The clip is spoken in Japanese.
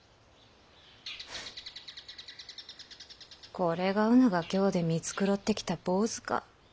これがうぬが京で見繕ってきた坊主か。